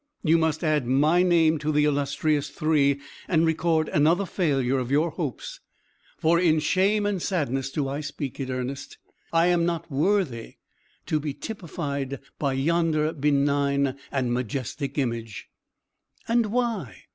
You must add my name to the illustrious three, and record another failure of your hopes. For in shame and sadness do I speak it, Ernest I am not worthy to be typified by yonder benign and majestic image." "And why?"